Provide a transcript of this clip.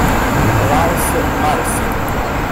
Ralph Murphy